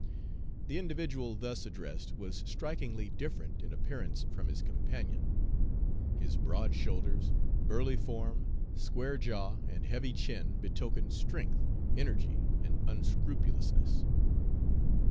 The individual thus addressed was strikingly different in appearance from his companion. His broad shoulders, burly form, square jaw, and heavy chin betokened strength, energy, and unscrupulousness.